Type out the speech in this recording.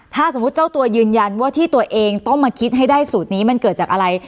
ถ้าสมมุติเจ้าตัวยืนยันว่าที่ตัวเองต้องมาคิดให้ได้สูตรนี้มันเกิดจากอะไร